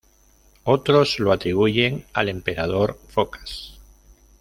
Otros lo atribuyen al emperador Focas.